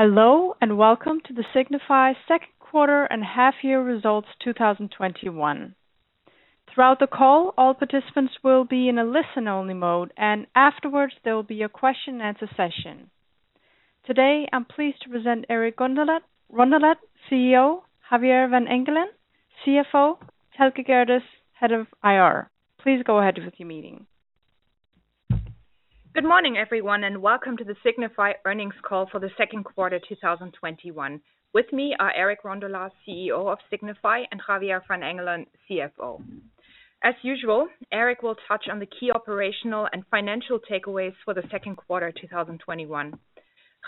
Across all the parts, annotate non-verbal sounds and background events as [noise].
Hello, and welcome to the Signify second quarter and half-year results 2021. Throughout the call, all participants will be in a listen-only mode, and afterwards, there will be a question-and-answer session. Today, I'm pleased to present Eric Rondolat, CEO, Javier van Engelen, CFO, and Thelke Gerdes, Head of IR. Please go ahead with your meeting. Good morning, everyone. Welcome to the Signify earnings call for the second quarter 2021. With me are Eric Rondolat, CEO of Signify, and Javier van Engelen, CFO. As usual, Eric will touch on the key operational and financial takeaways for the second quarter 2021.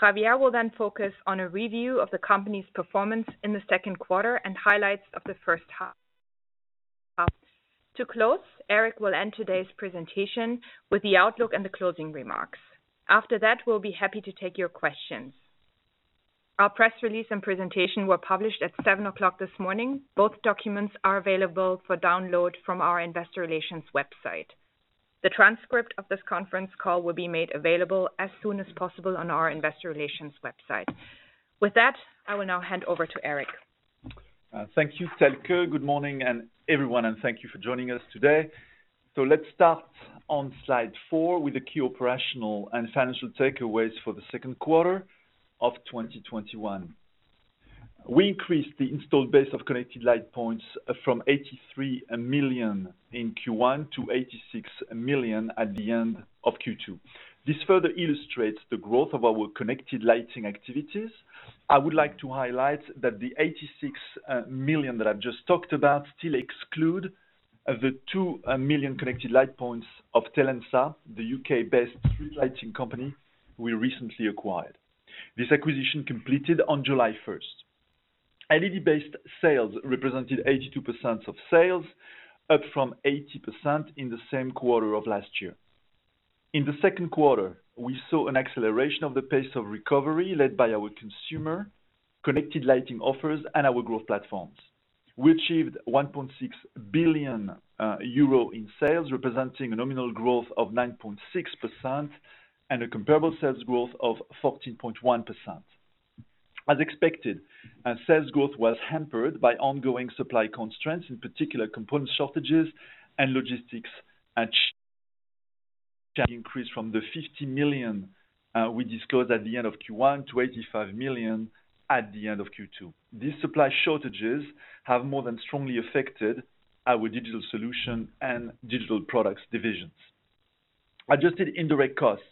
Javier will focus on a review of the company's performance in the second quarter and highlights of the first half. To close, Eric will end today's presentation with the outlook and the closing remarks. After that, we'll be happy to take your questions. Our press release and presentation were published at 7:00 A.M. Both documents are available for download from our investor relations website. The transcript of this conference call will be made available as soon as possible on our investor relations website. With that, I will now hand over to Eric. Thank you, Thelke. Good morning, everyone, and thank you for joining us today. Let's start on slide four with the key operational and financial takeaways for the second quarter of 2021. We increased the installed base of connected lightpoints from 83 million in Q1 to 86 million at the end of Q2. This further illustrates the growth of our connected lighting activities. I would like to highlight that the 86 million that I've just talked about still exclude the 2 million connected lightpoints of Telensa, the U.K.-based street lighting company we recently acquired. This acquisition completed on July 1st. LED-based sales represented 82% of sales, up from 80% in the same quarter of last year. In the second quarter, we saw an acceleration of the pace of recovery led by our consumer, connected lighting offers, and our growth platforms. We achieved 1.6 billion euro in sales, representing a nominal growth of 9.6% and a comparable sales growth of 14.1%. As expected, sales growth was hampered by ongoing supply constraints, in particular component shortages and logistics [audio distortion] increased from 50 million we discussed at the end of Q1 to 85 million at the end of Q2. These supply shortages have more than strongly affected our Digital Solutions and Digital Products divisions. Adjusted indirect costs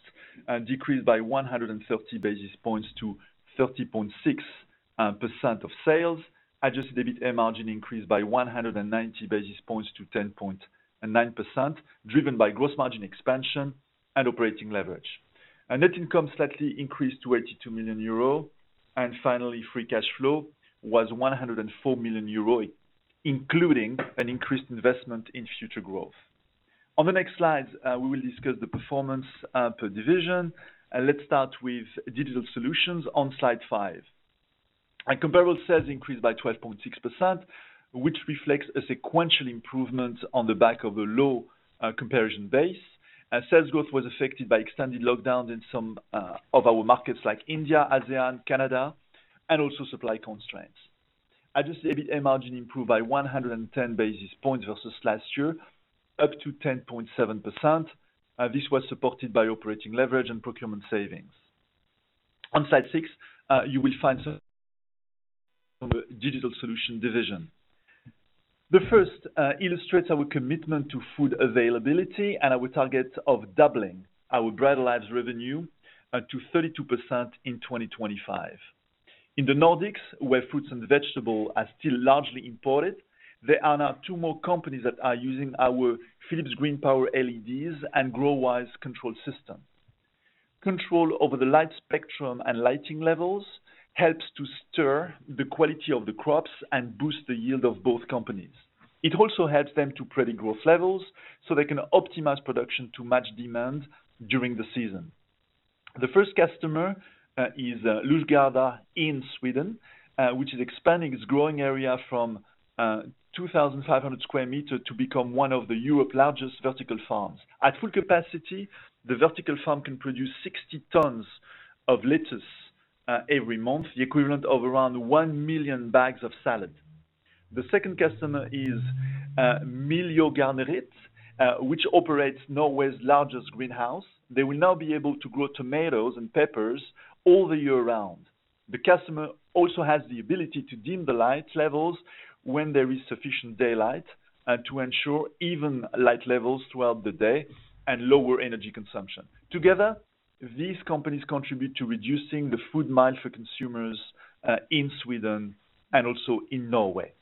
decreased by 130 basis points to 30.6% of sales. Adjusted EBITA margin increased by 190 basis points to 10.9%, driven by gross margin expansion and operating leverage. Net income slightly increased to 82 million euro, and finally, free cash flow was 104 million euro, including an increased investment in future growth. On the next slides, we will discuss the performance per division. Let's start with Digital Solutions on slide five. Comparable sales increased by 12.6%, which reflects a sequential improvement on the back of a low comparison base. Sales growth was affected by extended lockdowns in some of our markets like India, ASEAN, Canada, and also supply constraints. Adjusted EBITA margin improved by 110 basis points versus last year, up to 10.7%. This was supported by operating leverage and procurement savings. On slide six, you will find some [audio distortion] on the Digital Solution division. The first illustrates our commitment to food availability and our target of doubling our Brighter Lives revenue to 32% in 2025. In the Nordics, where fruits and vegetables are still largely imported, there are now two more companies that are using our Philips GreenPower LEDs and GrowWise control system. Control over the light spectrum and lighting levels helps to steer the quality of the crops and boost the yield of both companies. It also helps them to predict growth levels so they can optimize production to match demand during the season. The first customer is Ljusgårda in Sweden, which is expanding its growing area from 2,500 sq m to become one of Europe's largest vertical farms. At full capacity, the vertical farm can produce 60 tonnes of lettuce every month, the equivalent of around 1 million bags of salad. The second customer is Miljøgartneriet, which operates Norway's largest greenhouse. They will now be able to grow tomatoes and peppers all the year round. The customer also has the ability to dim the light levels when there is sufficient daylight to ensure even light levels throughout the day and lower energy consumption. Together, these companies contribute to reducing the food miles for consumers in Sweden and also in Norway.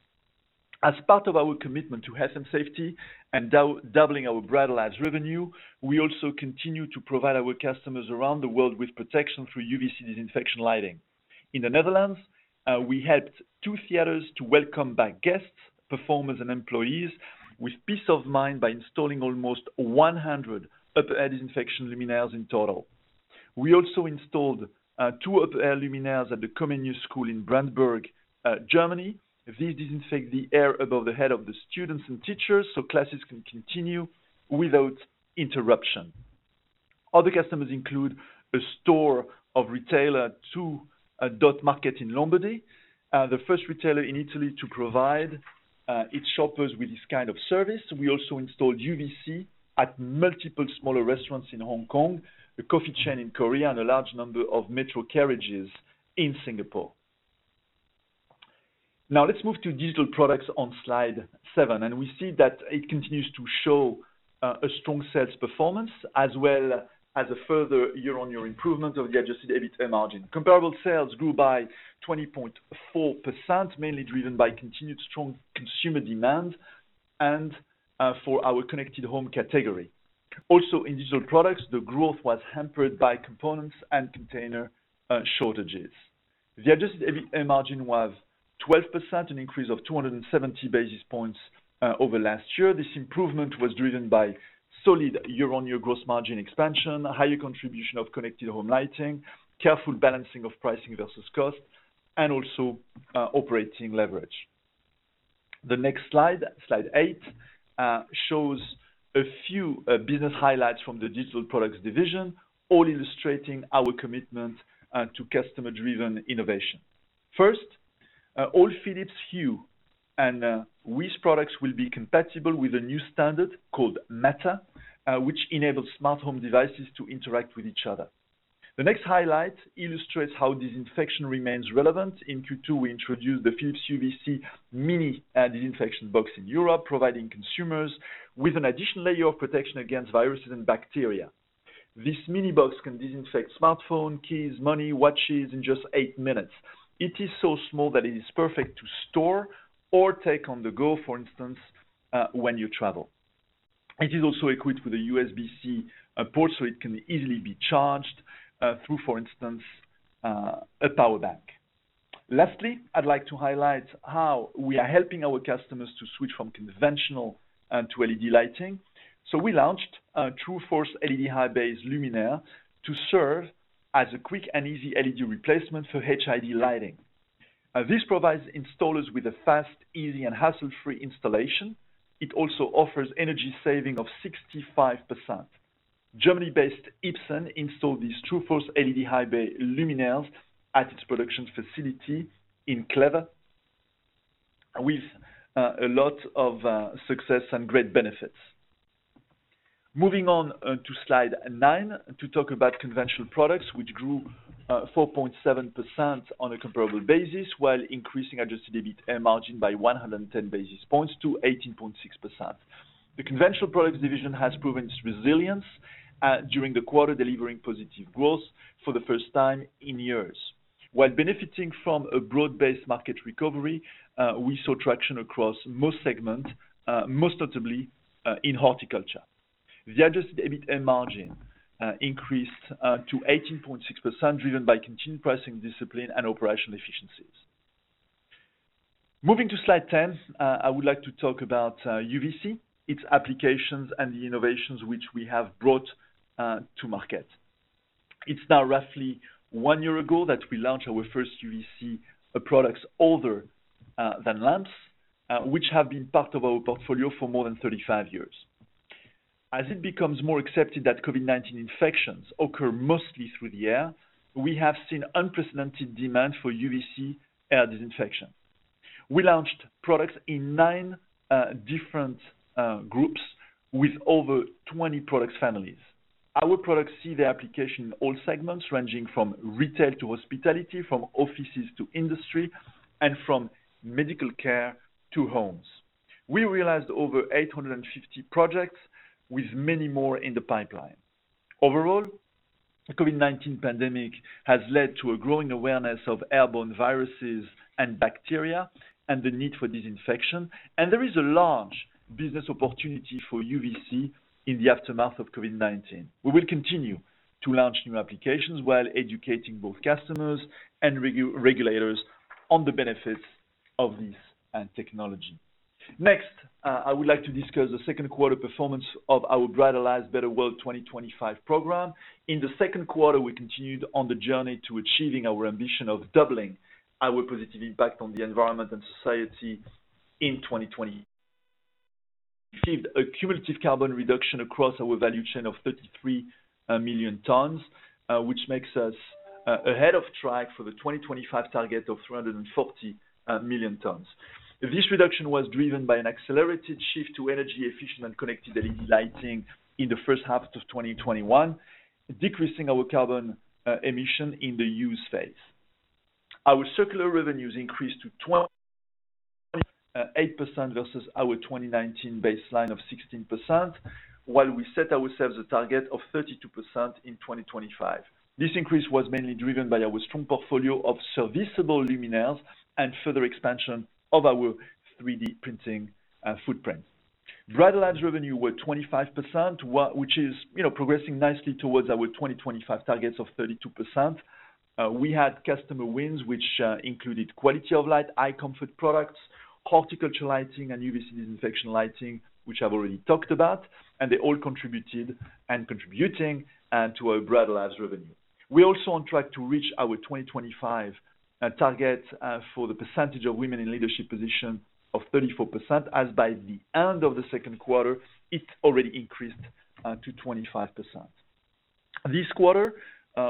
As part of our commitment to health and safety and doubling our Brighter Lives revenue, we also continue to provide our customers around the world with protection through UV-C disinfection lighting. In the Netherlands, we helped two theaters to welcome back guests, performers, and employees with peace of mind by installing almost 100 upper air disinfection luminaires in total. We also installed two upper air luminaires at the Comenius school in Brandenburg, Germany. These disinfect the air above the head of the students and teachers so classes can continue without interruption. Other customers include a store of retailer To.Market in Lombardy, the first retailer in Italy to provide its shoppers with this kind of service. We also installed UV-C at multiple smaller restaurants in Hong Kong, a coffee chain in Korea, and a large number of metro carriages in Singapore. Now let's move to Digital Products on slide seven. We see that it continues to show a strong sales performance as well as a further year-on-year improvement of the adjusted EBITA margin. Comparable sales grew by 20.4%, mainly driven by continued strong consumer demand and for our connected home category. In Digital Products, the growth was hampered by components and container shortages. The adjusted EBITA margin was 12%, an increase of 270 basis points over last year. This improvement was driven by solid year-on-year gross margin expansion, higher contribution of connected home lighting, careful balancing of pricing versus cost, and also operating leverage. The next slide, slide eight, shows a few business highlights from the Digital Products division, all illustrating our commitment to customer-driven innovation. All Philips Hue and WiZ products will be compatible with a new standard called Matter, which enables smart home devices to interact with each other. The next highlight illustrates how disinfection remains relevant. In Q2, we introduced the Philips UV-C mini disinfection box in Europe, providing consumers with an additional layer of protection against viruses and bacteria. This mini box can disinfect smartphone, keys, money, watches in just eight minutes. It is so small that it is perfect to store or take on the go, for instance, when you travel. It is also equipped with a USB-C port, it can easily be charged through, for instance, a power bank. I'd like to highlight how we are helping our customers to switch from conventional to LED lighting. We launched TrueForce LED highbay luminaire to serve as a quick and easy LED replacement for HID lighting. This provides installers with a fast, easy, and hassle-free installation. It also offers energy saving of 65%. Germany-based Ipsen installed this TrueForce LED highbay luminaires at its production facility in Kleve with a lot of success and great benefits. Moving on to slide nine to talk about Conventional Products, which grew 4.7% on a comparable basis while increasing adjusted EBITA margin by 110 basis points to 18.6%. The Conventional Products division has proven its resilience during the quarter, delivering positive growth for the first time in years. While benefiting from a broad-based market recovery, we saw traction across most segments, most notably in horticulture. The adjusted EBITA margin increased to 18.6%, driven by continued pricing discipline and operational efficiencies. Moving to slide 10, I would like to talk about UV-C, its applications, and the innovations which we have brought to market. It's now roughly one year ago that we launched our first UV-C products other than lamps, which have been part of our portfolio for more than 35 years. As it becomes more accepted that COVID-19 infections occur mostly through the air, we have seen unprecedented demand for UV-C air disinfection. We launched products in nine different groups with over 20 product families. Our products see their application in all segments, ranging from retail to hospitality, from offices to industry, and from medical care to homes. We realized over 850 projects with many more in the pipeline. Overall, the COVID-19 pandemic has led to a growing awareness of airborne viruses and bacteria and the need for disinfection, and there is a large business opportunity for UV-C in the aftermath of COVID-19. We will continue to launch new applications while educating both customers and regulators on the benefits of this technology. Next, I would like to discuss the second quarter performance of our Brighter Lives, Better World 2025 program. In the second quarter, we continued on the journey to achieving our ambition of doubling our positive impact on the environment and society in 2020. We achieved a cumulative carbon reduction across our value chain of 33 million tonnes, which makes us ahead of track for the 2025 target of 340 million tonnes. This reduction was driven by an accelerated shift to energy-efficient and connected LED lighting in the first half of 2021, decreasing our carbon emission in the use phase. Our circular revenues increased to [audio distortion] versus our 2019 baseline of 16%, while we set ourselves a target of 32% in 2025. This increase was mainly driven by our strong portfolio of serviceable luminaires and further expansion of our 3D printing footprint. Brighter Lives revenue were 25%, which is progressing nicely towards our 2025 targets of 32%. We had customer wins which included quality of light, EyeComfort products, horticulture lighting, and UV-C disinfection lighting, which I've already talked about, and they all contributed and contributing to our Brighter Lives revenue. We're also on track to reach our 2025 target for the percentage of women in leadership position of 34%, as by the end of the second quarter, it already increased to 25%. This quarter,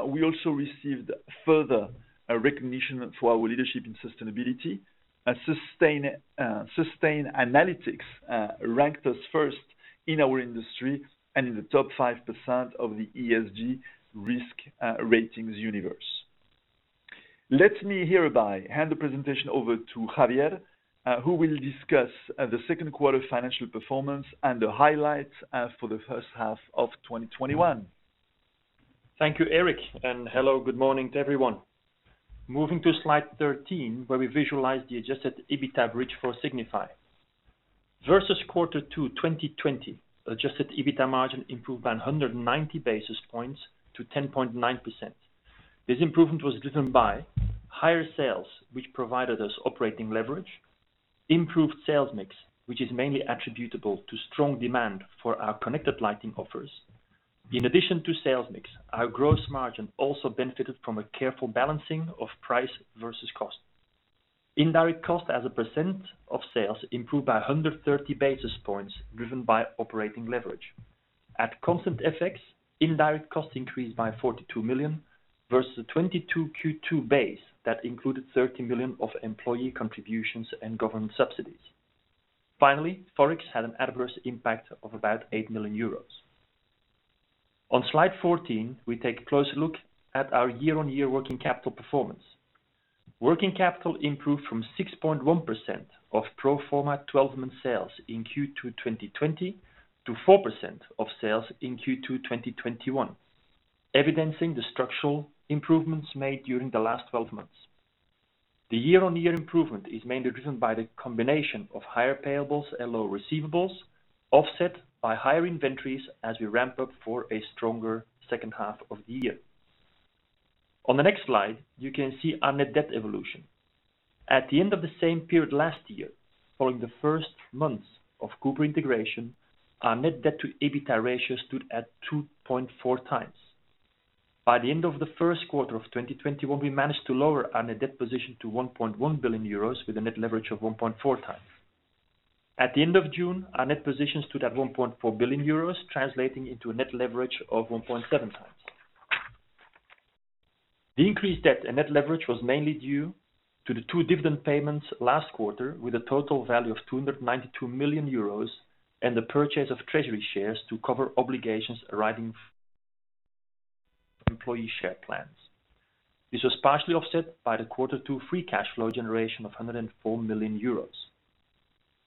we also received further recognition for our leadership in sustainability. Sustainalytics ranked us first in our industry and in the top 5% of the ESG risk ratings universe. Let me hereby hand the presentation over to Javier, who will discuss the second quarter financial performance and the highlights for the first half of 2021. Thank you, Eric. Hello, good morning to everyone. Moving to slide 13, where we visualize the adjusted EBITA bridge for Signify. Versus quarter two 2020, adjusted EBITA margin improved by 190 basis points to 10.9%. This improvement was driven by higher sales, which provided us operating leverage, improved sales mix, which is mainly attributable to strong demand for our connected lighting offers. In addition to sales mix, our gross margin also benefited from a careful balancing of price versus cost. Indirect cost as a percent of sales improved by 130 basis points, driven by operating leverage. At constant FX, indirect costs increased by 42 million versus the 2022 Q2 base that included 30 million of employee contributions and government subsidies. Finally, Forex had an adverse impact of about 8 million euros. On slide 14, we take a closer look at our year-on-year working capital performance. Working capital improved from 6.1% of pro forma 12-month sales in Q2 2020 to 4% of sales in Q2 2021, evidencing the structural improvements made during the last 12 months. The year-on-year improvement is mainly driven by the combination of higher payables and lower receivables, offset by higher inventories as we ramp up for a stronger second half of the year. On the next slide, you can see our net debt evolution. At the end of the same period last year, following the first months of Cooper integration, our net debt to EBITA ratio stood at 2.4x. By the end of the first quarter of 2021, we managed to lower our net debt position to 1.1 billion euros with a net leverage of 1.4x. At the end of June, our net position stood at 1.4 billion euros, translating into a net leverage of 1.7x. The increased debt and net leverage was mainly due to the two dividend payments last quarter, with a total value of 292 million euros, and the purchase of treasury shares to cover obligations arising from employee share plans. This was partially offset by the quarter two free cash flow generation of 104 million euros.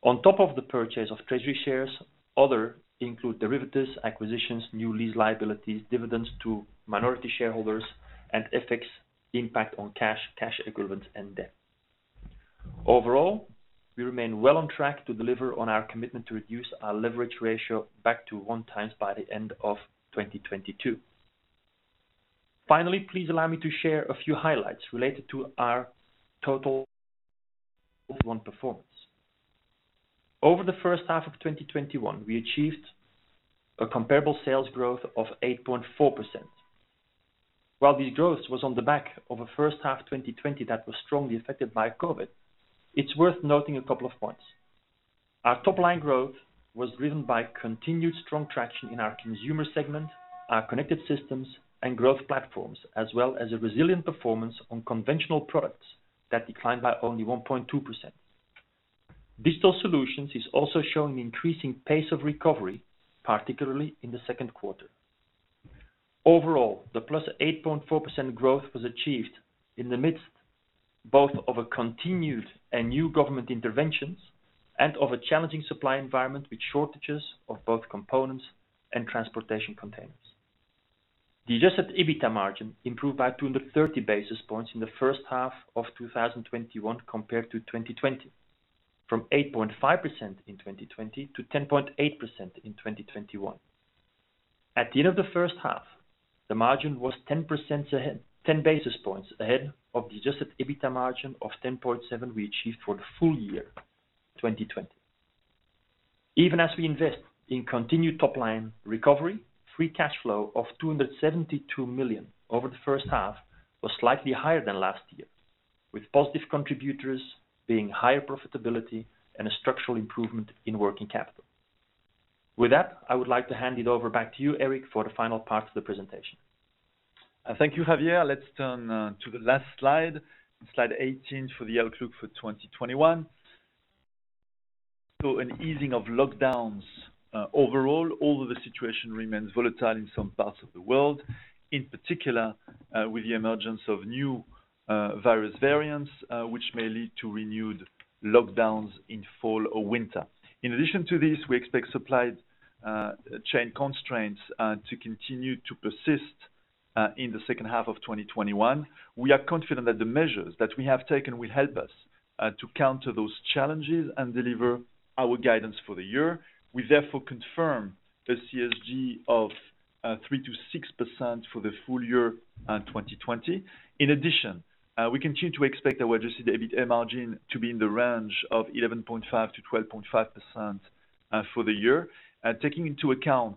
On top of the purchase of treasury shares, other include derivatives, acquisitions, new lease liabilities, dividends to minority shareholders, and FX impact on cash equivalents, and debt. Overall, we remain well on track to deliver on our commitment to reduce our leverage ratio back to 1x by the end of 2022. Finally, please allow me to share a few highlights related to our total [audio distortion] performance. Over the first half of 2021, we achieved a comparable sales growth of 8.4%. While this growth was on the back of a first half 2020 that was strongly affected by COVID-19, it's worth noting a couple of points. Our top-line growth was driven by continued strong traction in our consumer segment, our connected systems, and growth platforms, as well as a resilient performance on Conventional Products that declined by only 1.2%. Digital solutions is also showing increasing pace of recovery, particularly in the second quarter. Overall, the +8.4% growth was achieved in the midst both of a continued and new government interventions and of a challenging supply environment with shortages of both components and transportation containers. The adjusted EBITA margin improved by 230 basis points in the first half of 2021 compared to 2020, from 8.5% in 2020 to 10.8% in 2021. At the end of the first half, the margin was 10 basis points ahead of the adjusted EBITA margin of 10.7% we achieved for the full year 2020. Even as we invest in continued top-line recovery, free cash flow of 272 million over the first half was slightly higher than last year, with positive contributors being higher profitability and a structural improvement in working capital. With that, I would like to hand it over back to you, Eric, for the final part of the presentation. Thank you, Javier. Let's turn to the last slide 18 for the outlook for 2021. An easing of lockdowns overall, although the situation remains volatile in some parts of the world, in particular with the emergence of new virus variants, which may lead to renewed lockdowns in fall or winter. In addition to this, we expect supply chain constraints to continue to persist in the second half of 2021. We are confident that the measures that we have taken will help us to counter those challenges and deliver our guidance for the year. We therefore confirm the CSG of 3%-6% for the full year 2020. In addition, we continue to expect our adjusted EBITA margin to be in the range of 11.5%-12.5% for the year, taking into account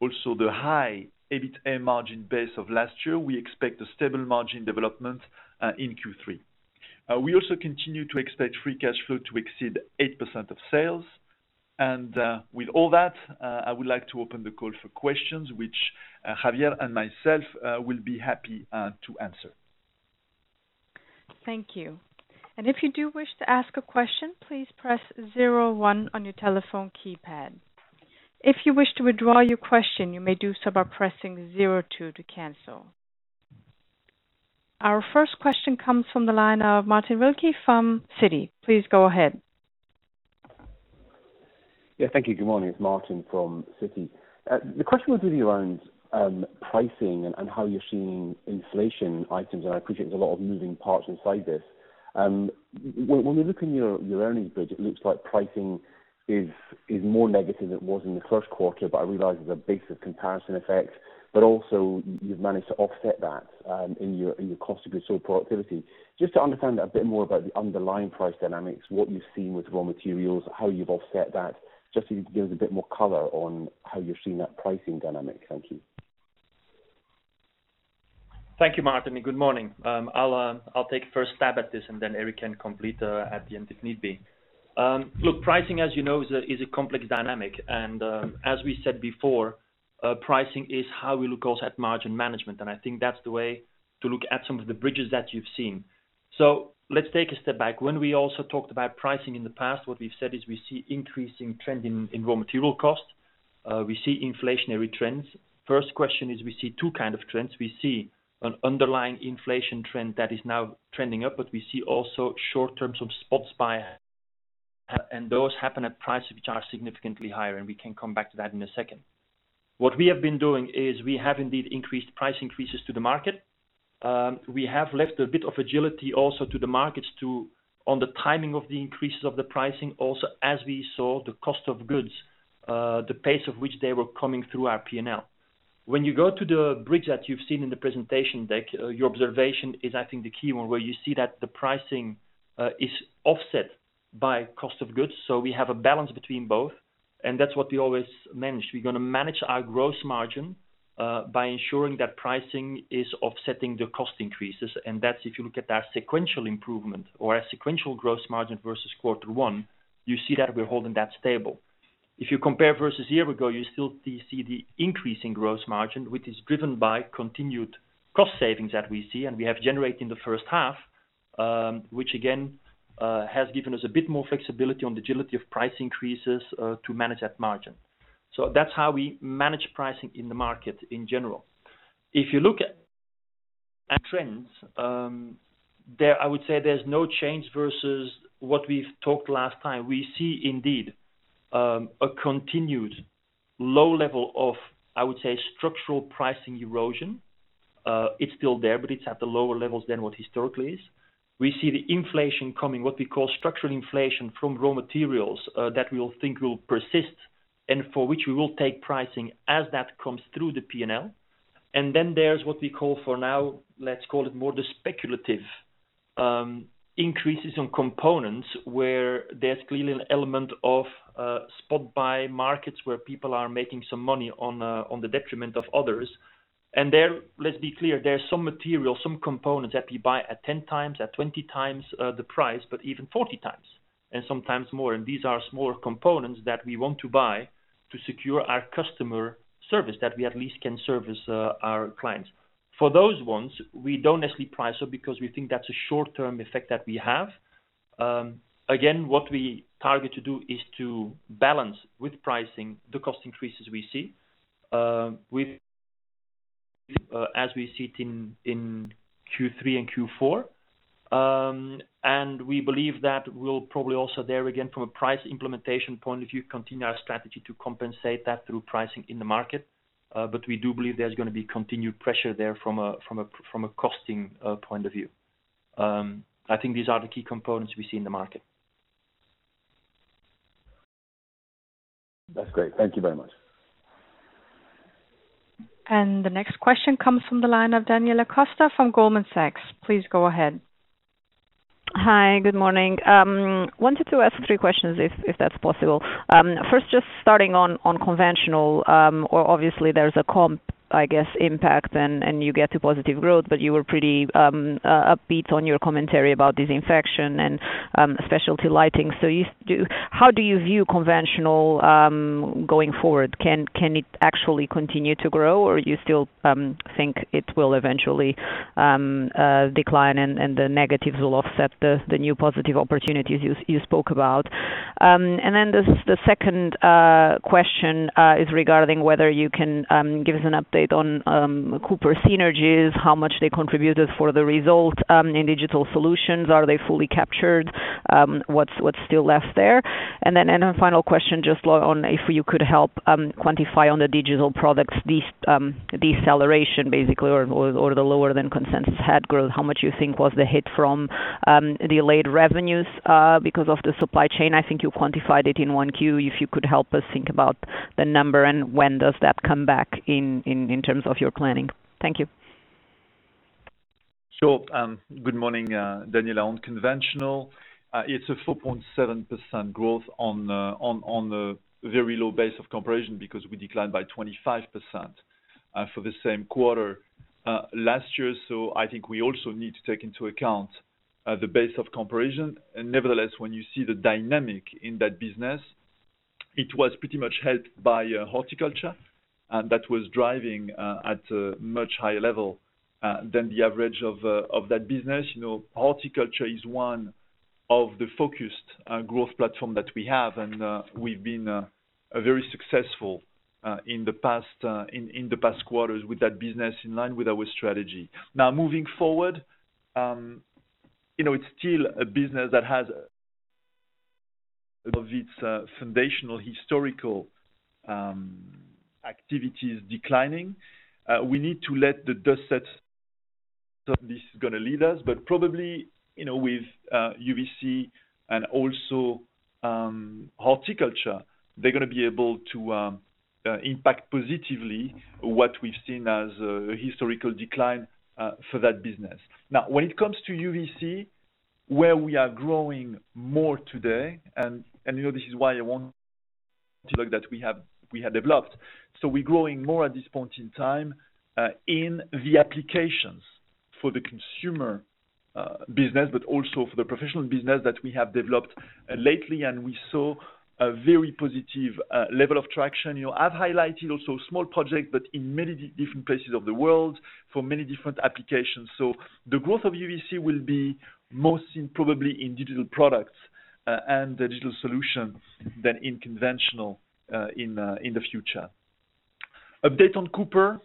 also the high EBITA margin base of last year, we expect a stable margin development in Q3. We also continue to expect free cash flow to exceed 8% of sales. With all that, I would like to open the call for questions, which Javier and myself will be happy to answer. Thank you. If you do wish to ask a question, please press zero one on your telephone keypad. If you wish to withdraw your question, you may do so by pressing zero two to cancel. Our first question comes from the line of Martin Wilkie from Citi. Please go ahead. Yeah, thank you. Good morning. It's Martin from Citi. The question was really around pricing and how you're seeing inflation items, and I appreciate there's a lot of moving parts inside this. When we look in your earnings bridge, it looks like pricing is more negative than it was in the first quarter, but I realize there's a base of comparison effect, but also you've managed to offset that in your cost of goods sold productivity. Just to understand a bit more about the underlying price dynamics, what you've seen with raw materials, how you've offset that, just so you can give us a bit more color on how you're seeing that pricing dynamic. Thank you. Thank you, Martin. Good morning. I'll take first stab at this and then Eric can complete at the end if need be. Look. Pricing, as you know, is a complex dynamic, and as we said before, pricing is how we look also at margin management, and I think that's the way to look at some of the bridges that you've seen. Let's take a step back. When we also talked about pricing in the past, what we've said is we see increasing trend in raw material costs. We see inflationary trends. First question is, we see two kind of trends. We see an underlying inflation trend that is now trending up, but we see also short terms of spots buy [audio distortion] and those happen at prices which are significantly higher, and we can come back to that in one second. What we have been doing is we have indeed increased price increases to the market. We have left a bit of agility also to the markets on the timing of the increases of the pricing, also as we saw the cost of goods, the pace of which they were coming through our P&L. When you go to the bridge that you've seen in the presentation deck, your observation is, I think, the key one where you see that the pricing is offset by cost of goods. We have a balance between both, and that's what we always manage. We're going to manage our gross margin by ensuring that pricing is offsetting the cost increases, and that's if you look at our sequential improvement or our sequential gross margin versus quarter one, you see that we're holding that stable. If you compare versus year ago, you still see the increase in gross margin, which is driven by continued cost savings that we see and we have generated in the first half, which again, has given us a bit more flexibility on the agility of price increases to manage that margin. That's how we manage pricing in the market in general. If you look at trends, I would say there's no change versus what we've talked last time. We see indeed, a continued low level of, I would say, structural pricing erosion. It's still there, but it's at the lower levels than what historically is. We see the inflation coming, what we call structural inflation from raw materials that we think will persist and for which we will take pricing as that comes through the P&L. There's what we call for now, let's call it more the speculative increases on components, where there's clearly an element of spot-buy markets where people are making some money on the detriment of others. There, let's be clear, there's some material, some components that we buy at 10x, at 20x the price, but even 40x, and sometimes more. These are smaller components that we want to buy to secure our customer service, that we at least can service our clients. For those ones, we don't necessarily price up because we think that's a short-term effect that we have. Again, what we target to do is to balance with pricing the cost increases we see as we see it in Q3 and Q4. We believe that we'll probably also there, again, from a price implementation point of view, continue our strategy to compensate that through pricing in the market. We do believe there's going to be continued pressure there from a costing point of view. I think these are the key components we see in the market. That's great. Thank you very much. The next question comes from the line of Daniela Costa from Goldman Sachs. Please go ahead. Hi, good morning. Wanted to ask three questions, if that's possible. Just starting on conventional. There's a comp, I guess, impact, and you get to positive growth, but you were pretty upbeat on your commentary about disinfection and specialty lighting. How do you view conventional going forward? Can it actually continue to grow, or you still think it will eventually decline and the negatives will offset the new positive opportunities you spoke about? The second question is regarding whether you can give us an update on Cooper synergies, how much they contributed for the result in digital solutions. Are they fully captured? What's still left there? Final question, just on if you could help quantify on the Digital Products deceleration, basically, or the lower than consensus had growth, how much you think was the hit from delayed revenues because of the supply chain? I think you quantified it in 1Q. If you could help us think about the number and when does that come back in terms of your planning. Thank you. Sure. Good morning, Daniela. On conventional, it's a 4.7% growth on the very low base of comparison because we declined by 25% for the same quarter last year. I think we also need to take into account the base of comparison. Nevertheless, when you see the dynamic in that business, it was pretty much helped by horticulture, and that was driving at a much higher level than the average of that business. Horticulture is one of the focused growth platform that we have, and we've been very successful in the past quarters with that business in line with our strategy. Moving forward, it's still a business that has of its foundational historical activities declining. We need to let the dust set. This is going to lead us, probably, with UV-C and also horticulture, they're going to be able to impact positively what we've seen as a historical decline for that business. When it comes to UV-C, where we are growing more today. We're growing more at this point in time in the applications for the consumer business, but also for the professional business that we have developed lately, and we saw a very positive level of traction. I've highlighted also small projects, but in many different places of the world for many different applications. The growth of UV-C will be most in probably in Digital Products and Digital Solutions than in conventional in the future. Update on Cooper,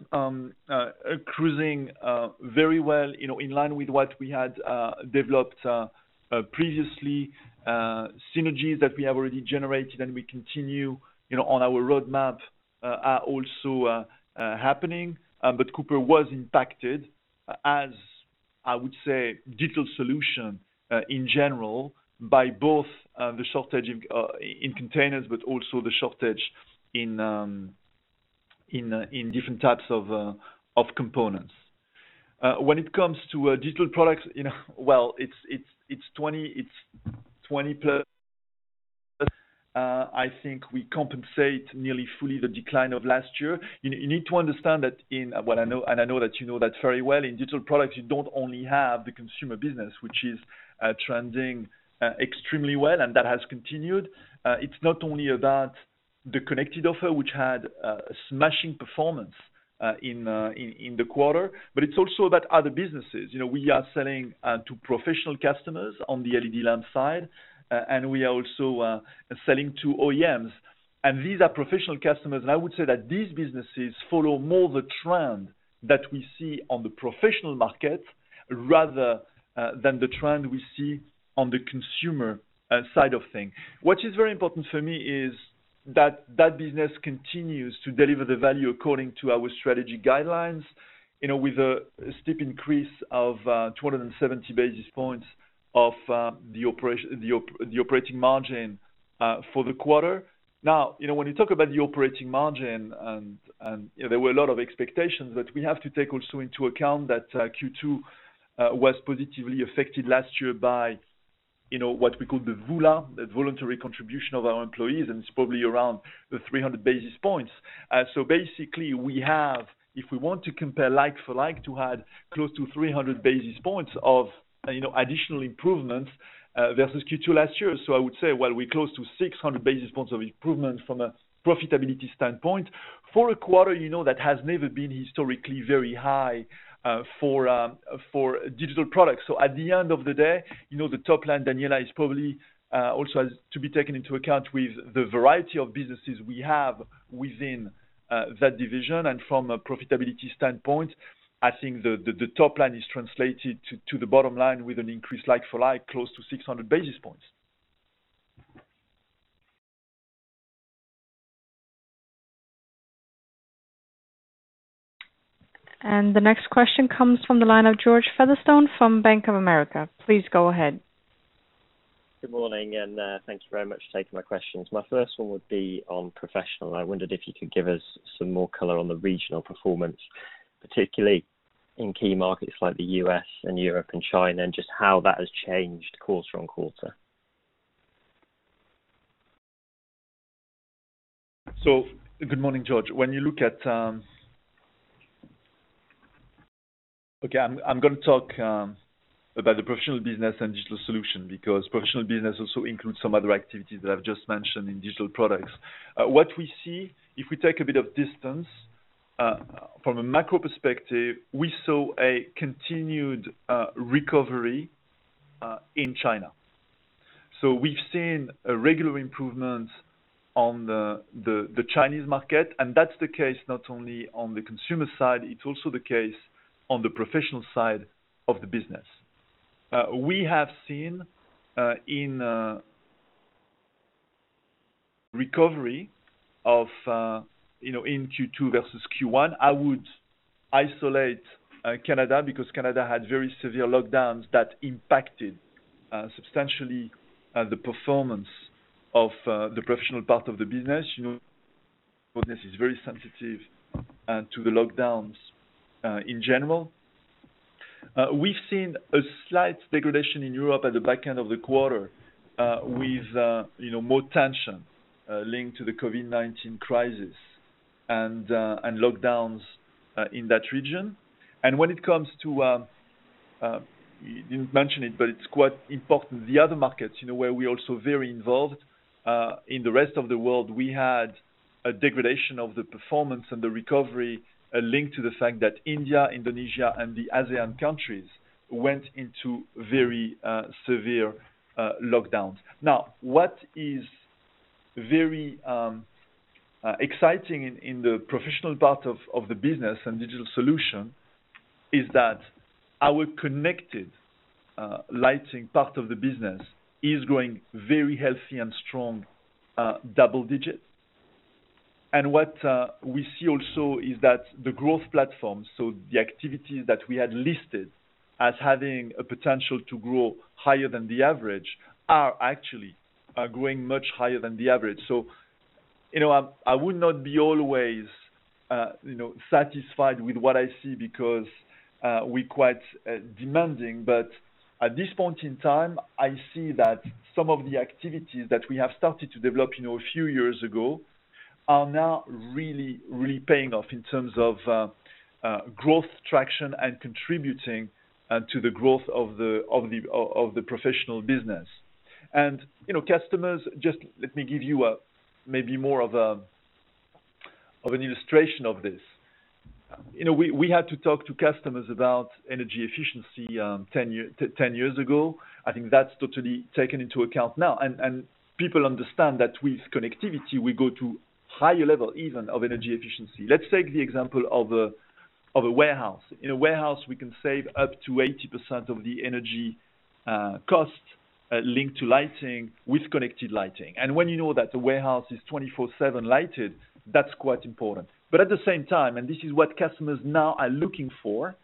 cruising very well in line with what we had developed previously. Synergies that we have already generated and we continue on our roadmap are also happening. Cooper was impacted as, I would say, digital solution in general by both the shortage in containers, but also the shortage in different types of components. When it comes to Digital Products, well, it's 20+. I think we compensate nearly fully the decline of last year. You need to understand that. Well, I know that you know that very well. In Digital Products, you don't only have the consumer business, which is trending extremely well, and that has continued. It's not only about the connected offer, which had a smashing performance in the quarter, but it's also about other businesses. We are selling to professional customers on the LED lamp side. We are also selling to OEMs. These are professional customers, and I would say that these businesses follow more the trend that we see on the professional market rather than the trend we see on the consumer side of things. What is very important for me is that that business continues to deliver the value according to our strategy guidelines, with a steep increase of 270 basis points of the operating margin for the quarter. When you talk about the operating margin, and there were a lot of expectations, but we have to take also into account that Q2 was positively affected last year by what we call the VULA, the voluntary contribution of our employees, and it's probably around the 300 basis points. Basically, we have, if we want to compare like-for-like, to add close to 300 basis points of additional improvements versus Q2 last year. I would say, well, we're close to 600 basis points of improvement from a profitability standpoint for a quarter that has never been historically very high for Digital Products. At the end of the day, the top line, Daniela, is probably also has to be taken into account with the variety of businesses we have within that division. From a profitability standpoint, I think the top line is translated to the bottom line with an increase like-for-like close to 600 basis points. The next question comes from the line of George Featherstone from Bank of America. Please go ahead. Good morning, thank you very much for taking my questions. My first one would be on professional. I wondered if you could give us some more color on the regional performance, particularly in key markets like the U.S. and Europe and China, just how that has changed quarter-on-quarter. Good morning, George. Okay, I'm going to talk about the professional business and digital solution because professional business also includes some other activities that I've just mentioned in Digital Products. What we see, if we take a bit of distance, from a macro perspective, we saw a continued recovery in China. We've seen a regular improvement on the Chinese market, that's the case not only on the consumer side, it's also the case on the professional side of the business. We have seen in Q2 versus Q1, I would isolate Canada because Canada had very severe lockdowns that impacted substantially the performance of the professional part of the business. Business is very sensitive to the lockdowns in general. We've seen a slight degradation in Europe at the back end of the quarter with more tension linked to the COVID-19 crisis and lockdowns in that region. When it comes to, you didn't mention it, but it's quite important, the other markets, where we're also very involved in the rest of the world, we had a degradation of the performance and the recovery linked to the fact that India, Indonesia, and the ASEAN countries went into very severe lockdowns. What is very exciting in the professional part of the business and digital solution is that our connected lighting part of the business is growing very healthy and strong double digits. What we see also is that the growth platform, so the activities that we had listed as having a potential to grow higher than the average are actually growing much higher than the average. I would not be always satisfied with what I see because we're quite demanding. At this point in time, I see that some of the activities that we have started to develop a few years ago are now really paying off in terms of growth traction and contributing to the growth of the professional business. Customers, just let me give you maybe more of an illustration of this. We had to talk to customers about energy efficiency 10 years ago. I think that's totally taken into account now, and people understand that with connectivity, we go to higher level even of energy efficiency. Let's take the example of a warehouse. In a warehouse, we can save up to 80% of the energy cost linked to lighting with connected lighting. When you know that the warehouse is 24/7 lighted, that's quite important. At the same time, and this is what customers now are looking for,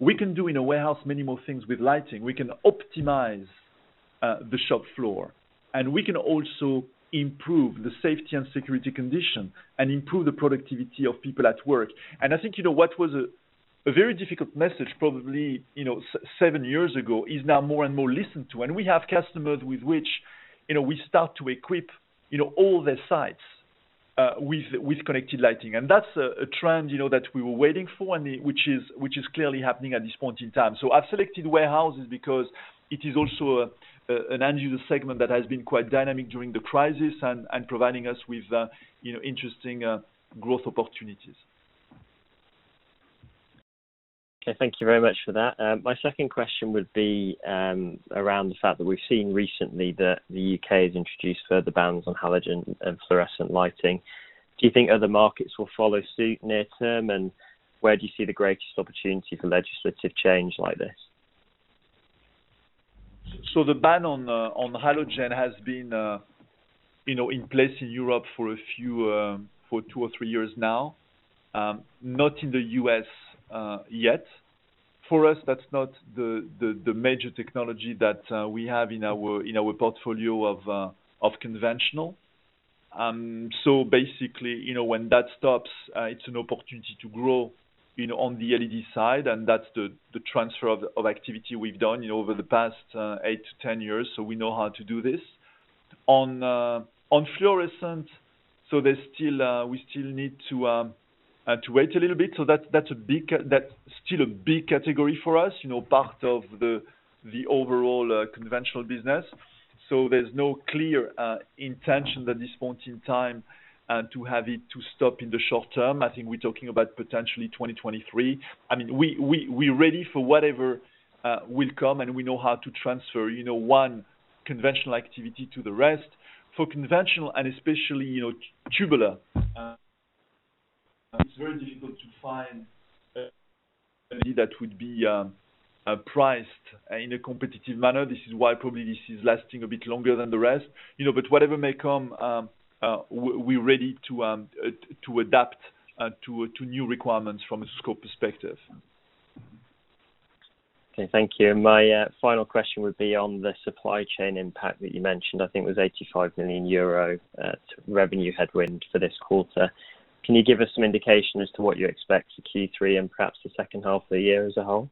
we can do in a warehouse many more things with lighting. We can optimize the shop floor, and we can also improve the safety and security condition and improve the productivity of people at work. I think, what was a very difficult message probably seven years ago is now more and more listened to. We have customers with which we start to equip all their sites with connected lighting. That's a trend that we were waiting for and which is clearly happening at this point in time. I've selected warehouses because it is also an end-user segment that has been quite dynamic during the crisis and providing us with interesting growth opportunities. Okay. Thank you very much for that. My second question would be around the fact that we've seen recently that the U.K. has introduced further bans on halogen and fluorescent lighting. Do you think other markets will follow suit near term, and where do you see the greatest opportunity for legislative change like this? The ban on halogen has been in place in Europe for two or three years now. Not in the U.S. yet. For us, that's not the major technology that we have in our portfolio of conventional. When that stops, it's an opportunity to grow on the LED side, and that's the transfer of activity we've done over the past 8-10 years, so we know how to do this. On fluorescent, we still need to wait a little bit. That's still a big category for us, part of the overall conventional business. There's no clear intention at this point in time to have it to stop in the short term. I think we're talking about potentially 2023. We're ready for whatever will come, and we know how to transfer one conventional activity to the rest. For conventional, and especially tubular, it's very difficult to find LED that would be priced in a competitive manner. This is why probably this is lasting a bit longer than the rest. But whatever may come, we're ready to adapt to new requirements from a scope perspective. Okay. Thank you. My final question would be on the supply chain impact that you mentioned, I think it was 85 million euro revenue headwind for this quarter. Can you give us some indication as to what you expect for Q3 and perhaps the second half of the year as a whole?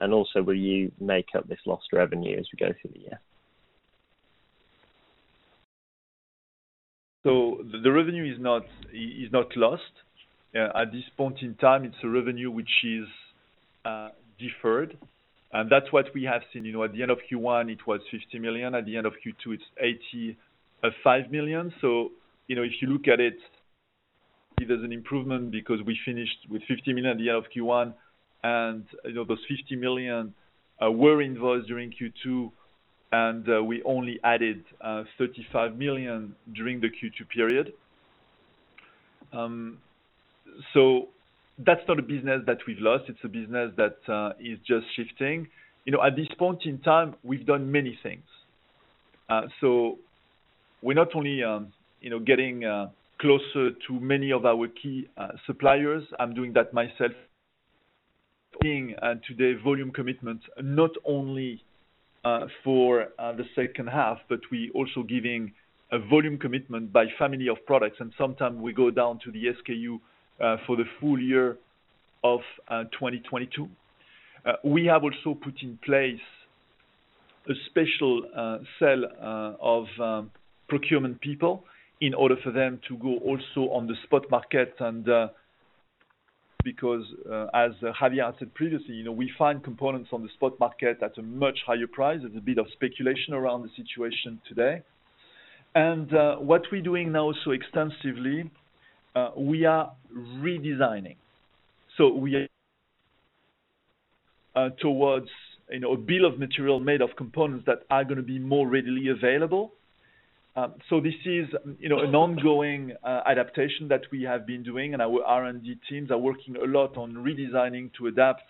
Also, will you make up this lost revenue as we go through the year? The revenue is not lost. At this point in time, it's a revenue which is deferred, and that's what we have seen. At the end of Q1, it was 50 million. At the end of Q2, it's 85 million. If you look at it, there's an improvement because we finished with 50 million at the end of Q1, and those 50 million were invoiced during Q2, and we only added 35 million during the Q2 period. That's not a business that we've lost. It's a business that is just shifting. At this point in time, we've done many things. We're not only getting closer to many of our key suppliers, I'm doing that myself, seeing today volume commitments, not only for the second half, but we also giving a volume commitment by family of products, and sometime we go down to the SKU for the full year 2022. We have also put in place a special cell of procurement people in order for them to go also on the spot market and because, as Javier said previously, we find components on the spot market at a much higher price. There's a bit of speculation around the situation today. What we're doing now so extensively, we are redesigning. We are towards a bill of material made of components that are going to be more readily available. This is an ongoing adaptation that we have been doing, and our R&D teams are working a lot on redesigning to adapt.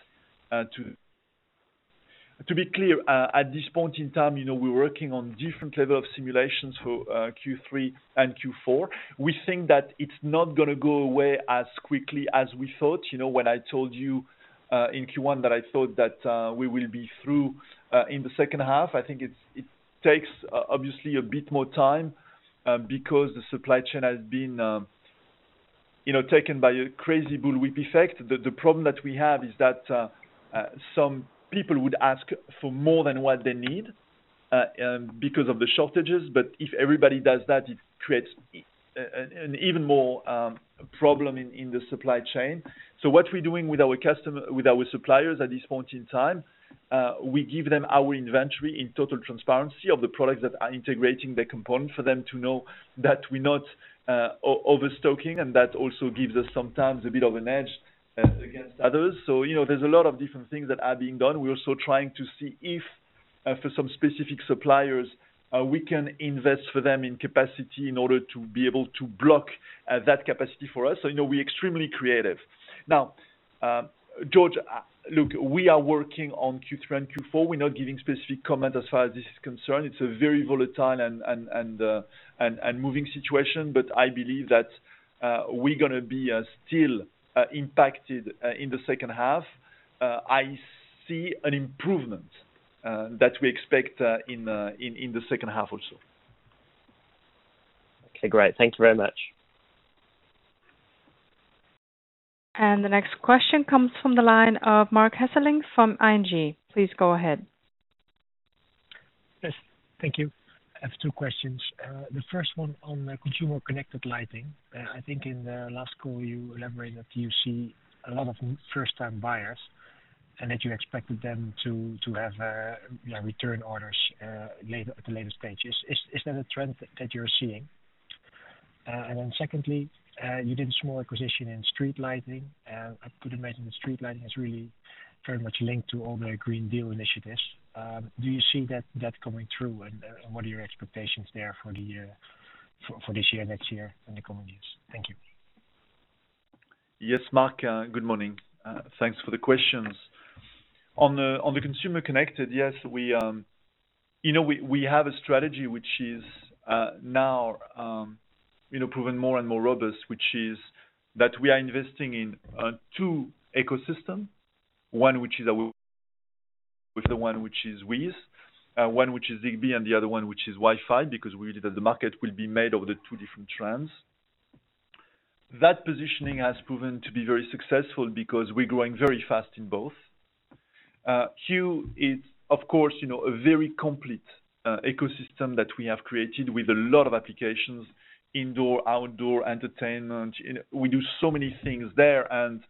To be clear, at this point in time, we're working on different level of simulations for Q3 and Q4. We think that it's not going to go away as quickly as we thought. When I told you in Q1 that I thought that we will be through in the second half, I think it takes obviously a bit more time, because the supply chain has been taken by a crazy bullwhip effect. The problem that we have is that, some people would ask for more than what they need, because of the shortages. If everybody does that, it creates an even more problem in the supply chain. What we're doing with our suppliers at this point in time, we give them our inventory in total transparency of the products that are integrating the component for them to know that we're not overstocking, and that also gives us sometimes a bit of an edge against others. There's a lot of different things that are being done. We're also trying to see if, for some specific suppliers, we can invest for them in capacity in order to be able to block that capacity for us. We're extremely creative. Now, George, look, we are working on Q3 and Q4. We're not giving specific comment as far as this is concerned. It's a very volatile and moving situation, but I believe that we're going to be still impacted in the second half. I see an improvement that we expect in the second half also. Okay, great. Thank you very much. The next question comes from the line of Marc Hesselink from ING. Please go ahead. Yes. Thank you. I have two questions. The first one on consumer connected lighting. I think in the last call you elaborated that you see a lot of first-time buyers, and that you expected them to have return orders at the later stage. Is that a trend that you're seeing? Then secondly, you did a small acquisition in street lighting. I could imagine that street lighting is really very much linked to all the Green Deal initiatives. Do you see that coming through and what are your expectations there for this year, next year and the coming years? Thank you. Yes, Marc. Good morning. Thanks for the questions. On the consumer connected, yes, we have a strategy which is now proven more and more robust, which is that we are investing in two ecosystem. One which is the one which is WiZ. One which is Zigbee and the other one which is Wi-Fi, because we believe that the market will be made over the two different trends. That positioning has proven to be very successful because we're growing very fast in both. Hue is, of course, a very complete ecosystem that we have created with a lot of applications, indoor, outdoor, entertainment. We do so many things there and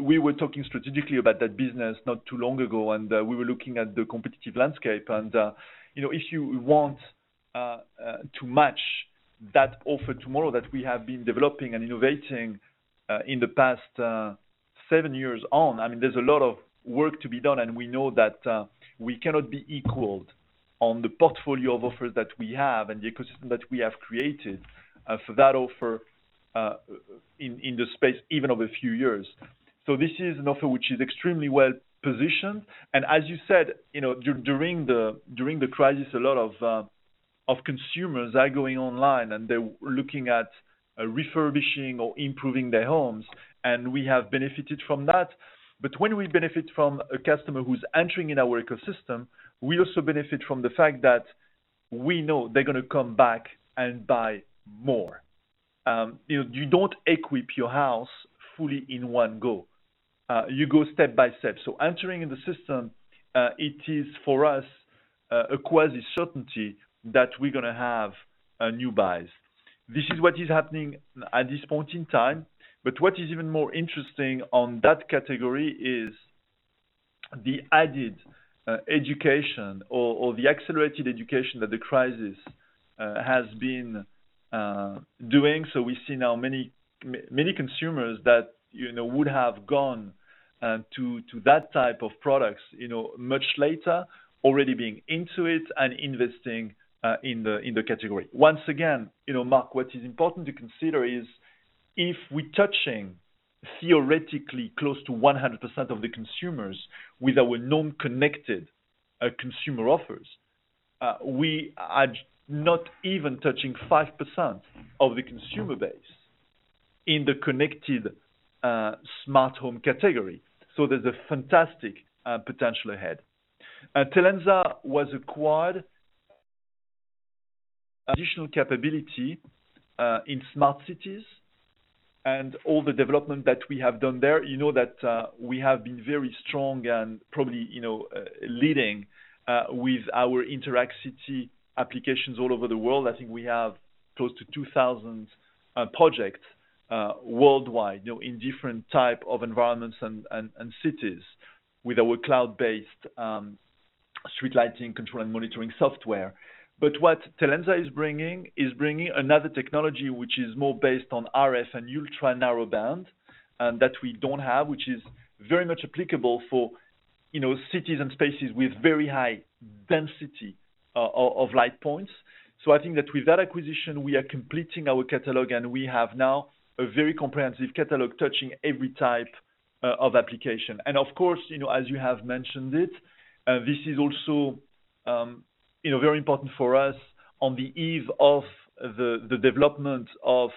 we were talking strategically about that business not too long ago, and we were looking at the competitive landscape. If you want to match that offer tomorrow that we have been developing and innovating, in the past seven years on, there's a lot of work to be done. We know that we cannot be equaled on the portfolio of offers that we have and the ecosystem that we have created, for that offer in the space even of a few years. This is an offer which is extremely well-positioned. As you said, during the crisis, a lot of consumers are going online and they're looking at refurbishing or improving their homes. We have benefited from that. When we benefit from a customer who's entering in our ecosystem, we also benefit from the fact that we know they're going to come back and buy more. You don't equip your house fully in one go. You go step by step. Entering in the system, it is for us, a quasi certainty that we're going to have new buyers. This is what is happening at this point in time. What is even more interesting on that category is the added education or the accelerated education that the crisis has been doing. We see now many consumers that would have gone to that type of products much later, already being into it and investing in the category. Once again, Marc, what is important to consider is if we're touching theoretically close to 100% of the consumers with our non-connected consumer offers. We are not even touching 5% of the consumer base in the connected smart home category. There's a fantastic potential ahead. Telensa was acquired additional capability in smart cities and all the development that we have done there, you know that we have been very strong and probably leading with our Interact City applications all over the world. I think we have close to 2,000 projects worldwide in different type of environments and cities with our cloud-based street lighting control and monitoring software. What Telensa is bringing is bringing another technology which is more based on RF and ultra-narrow band that we don't have, which is very much applicable for cities and spaces with very high density of light points. I think that with that acquisition, we are completing our catalog, and we have now a very comprehensive catalog touching every type of application. Of course, as you have mentioned it, this is also very important for us on the eve of the development of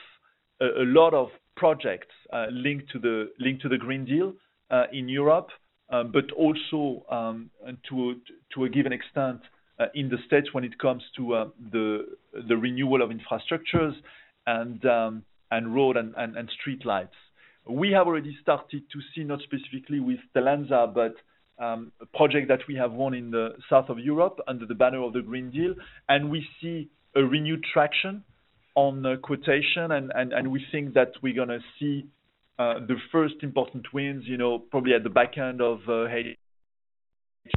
a lot of projects linked to the Green Deal in Europe, but also to a given extent in the U.S. when it comes to the renewal of infrastructures and road and street lights. We have already started to see, not specifically with Telensa, but a project that we have won in the south of Europe under the banner of the Green Deal. We see a renewed traction on the quotation, and we think that we're going to see the first important wins probably at the back end of the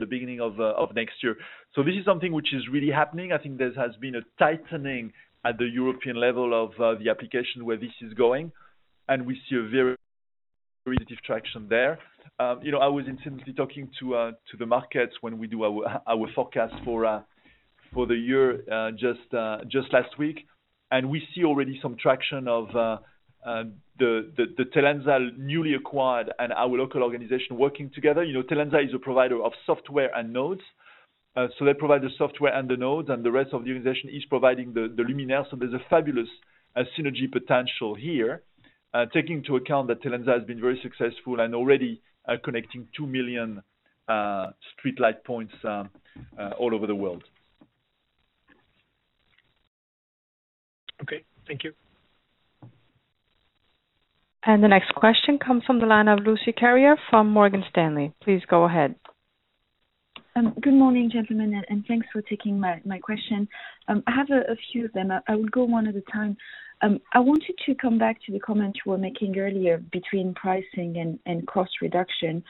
beginning of next year. This is something which is really happening. I think there has been a tightening at the European level of the application where this is going, and we see a very positive traction there. I was instantly talking to the markets when we do our forecast for the year just last week. We see already some traction of the Telensa newly acquired and our local organization working together. Telensa is a provider of software and nodes. They provide the software and the nodes, the rest of the organization is providing the luminaire. There's a fabulous synergy potential here, taking into account that Telensa has been very successful and already connecting 2 million street light points all over the world. Okay. Thank you. The next question comes from the line of Lucie Carrier from Morgan Stanley. Please go ahead. Good morning, gentlemen, and thanks for taking my question. I have a few of them. I will go one at a time. I want you to come back to the comment you were making earlier between pricing and cost reduction.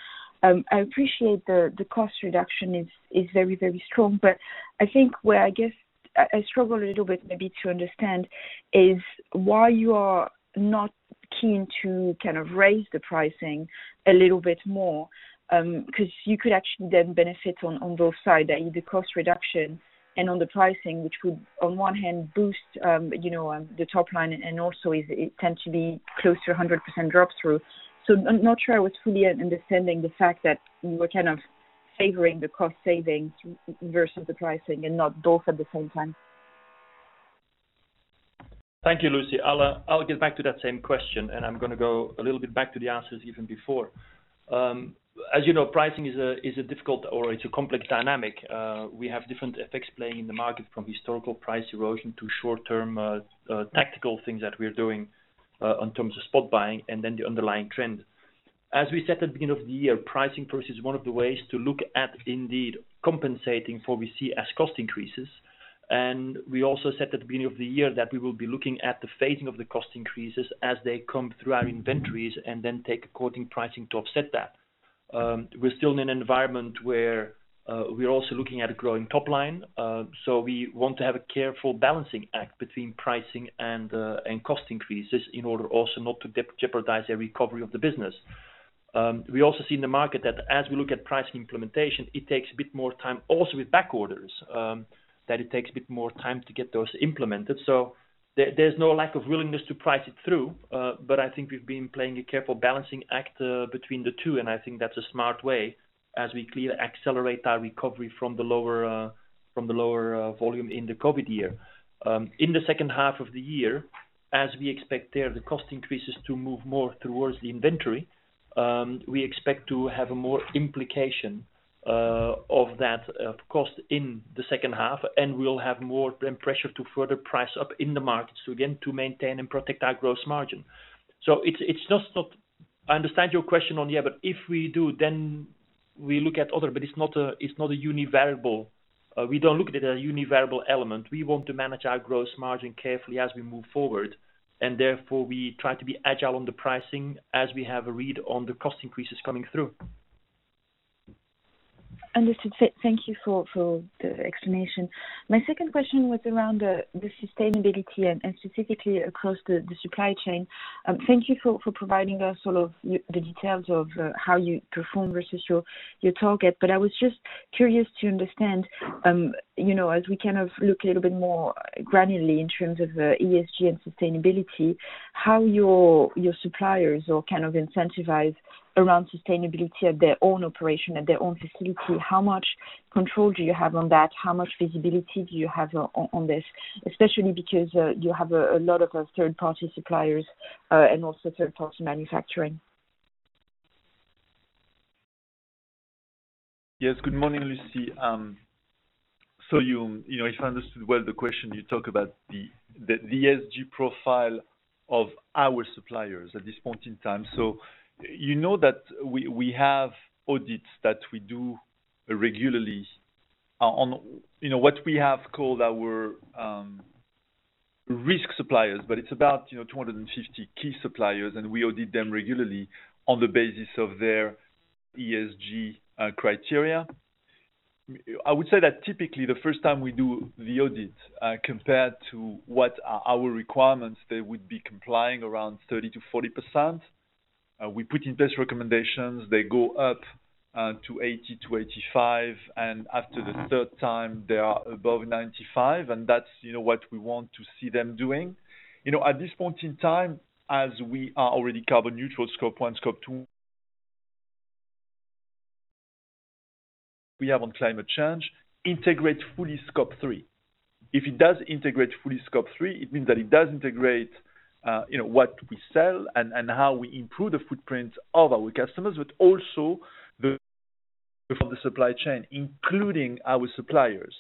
I appreciate the cost reduction is very strong, but I think where I struggle a little bit maybe to understand is why you are not keen to kind of raise the pricing a little bit more, because you could actually then benefit on both sides, either cost reduction and on the pricing, which would on one hand boost the top line and also it tends to be close to 100% drop-through. I'm not sure I was fully understanding the fact that you were kind of favoring the cost savings versus the pricing and not both at the same time. Thank you, Lucie. I'll get back to that same question, and I'm going to go a little bit back to the answers given before. As you know, pricing is a complex dynamic. We have different effects playing in the market from historical price erosion to short-term tactical things that we're doing in terms of spot buying and then the underlying trend. As we said at the beginning of the year, pricing for us is one of the ways to look at indeed compensating for we see as cost increases. We also said at the beginning of the year that we will be looking at the phasing of the cost increases as they come through our inventories and then take according pricing to offset that. We're still in an environment where we're also looking at a growing top line. We want to have a careful balancing act between pricing and cost increases in order also not to jeopardize a recovery of the business. We also see in the market that as we look at pricing implementation, it takes a bit more time also with back orders, that it takes a bit more time to get those implemented. There's no lack of willingness to price it through, but I think we've been playing a careful balancing act between the two, and I think that's a smart way as we accelerate our recovery from the lower volume in the COVID year. In the second half of the year, as we expect there the cost increases to move more towards the inventory, we expect to have a more implication of that cost in the second half, and we'll have more then pressure to further price up in the market, so again, to maintain and protect our gross margin. I understand your question on, yeah, but if we do, then we look at other, but it's not a univariable. We don't look at it as a univariable element. We want to manage our gross margin carefully as we move forward, and therefore we try to be agile on the pricing as we have a read on the cost increases coming through. Understood. Thank you for the explanation. My second question was around the sustainability and specifically across the supply chain. Thank you for providing us all of the details of how you perform versus your target. I was just curious to understand, as we kind of look a little bit more granularly in terms of ESG and sustainability, how your suppliers are kind of incentivized around sustainability at their own operation, at their own facility. How much control do you have on that? How much visibility do you have on this? Especially because you have a lot of third-party suppliers, and also third-party manufacturing. Yes. Good morning, Lucie. If I understood well the question, you talk about the ESG profile of our suppliers at this point in time. You know that we have audits that we do regularly on what we have called our risk suppliers, it's about 250 key suppliers, we audit them regularly on the basis of their ESG criteria. I would say that typically, the first time we do the audit compared to what our requirements, they would be complying around 30%-40%. We put in place recommendations. They go up to 80%-85%, after the third time, they are above 95%. That's what we want to see them doing. At this point in time, as we are already carbon neutral, Scope 1, Scope 2. We have on climate change, integrate fully Scope 3. If it does integrate fully Scope 3, it means that it does integrate what we sell and how we improve the footprint of our customers, but also of the supply chain, including our suppliers.